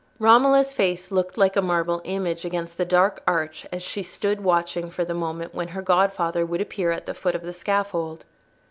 Romola's face looked like a marble image against the dark arch as she stood watching for the moment when her godfather would appear at the foot of the scaffold.